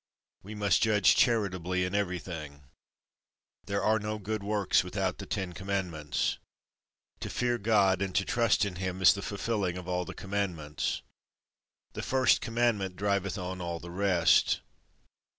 We must judge charitably in everything. There are no good works without the Ten Commandments. To fear God, and to trust in him, is the fulfilling of all the Commandments. The first Commandment driveth on all the rest.